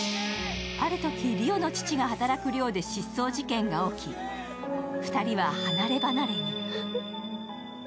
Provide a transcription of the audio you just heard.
あるとき梨央の父が働く寮で失踪事件が起き２人は離れ離れに。